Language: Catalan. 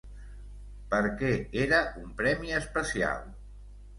Per què era un premi especial?